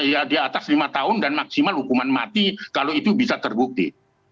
ya di atas lima tahun dan maksimal hukuman mati kalau itu bisa terbukti